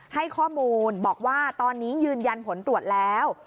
ให้ข้อมูลบอกว่าตอนนี้ยืนยันผลตรวจแล้ว